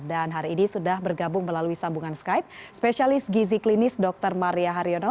dan hari ini sudah bergabung melalui sambungan skype spesialis gizi klinis dr maria haryono